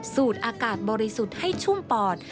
สูดอากาศบริสุทธิ์ให้ชุ่มปอด